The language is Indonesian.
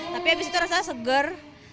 tapi abis itu rasanya segar